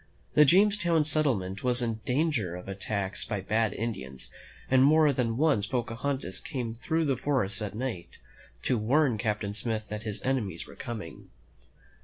The Jamestown settlement was in dan ger of attacks by bad Indians, and more than once Pocahontas came through the great forest at night to warn Captain Smith that his enemies were coming.